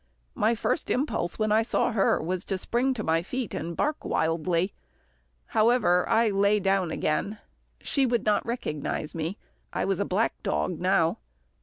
My first impulse when I saw her was to spring to my feet and bark wildly. However, I lay down again. She would not recognise me. I was a black dog now.